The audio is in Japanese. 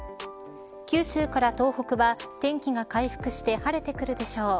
九州から東北は天気が回復して晴れてくるでしょう。